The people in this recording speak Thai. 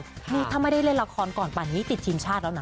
นี่ถ้าไม่ได้เล่นละครก่อนป่านนี้ติดทีมชาติแล้วนะ